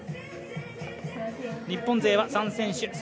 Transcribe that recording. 日本勢は３選手